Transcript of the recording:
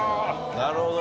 なるほど！